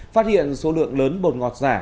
phát hiện số lượng lớn bột ngọt giả